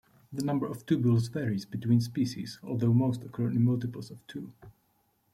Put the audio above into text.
The number of tubules varies between species although most occur in multiples of two.